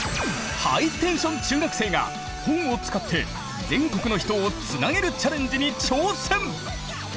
ハイテンション中学生が本を使って全国の人をつなげるチャレンジに挑戦！